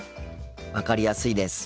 分かりやすいです。